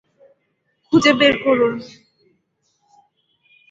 খুঁজে বের করুন।